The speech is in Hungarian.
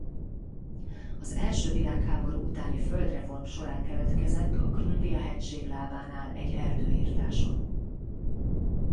Az első világháború utáni földreform során keletkezett a Krndija-hegység lábánál egy erdőirtáson.